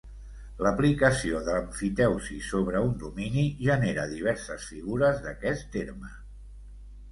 L'aplicació de l'emfiteusi sobre un domini, genera diverses figures d'aquest terme.